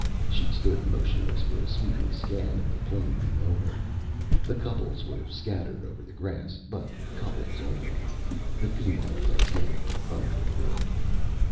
She stood motionless for a sweeping scan of the plain below her. The couples were scattered over the grass but couples only, the females as yet unfulfilled.